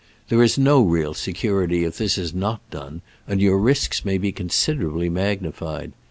There is no real security if this is not done, and your risks may be considerably magni fied.